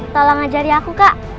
tolong ajari aku kak